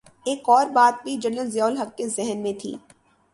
ایک اور بات بھی جنرل ضیاء الحق کے ذہن میں تھی۔